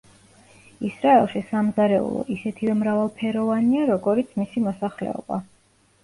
ისრაელში სამზარეულო ისეთივე მრავალფეროვანია, როგორიც მისი მოსახლეობა.